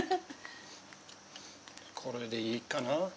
これでいいかな？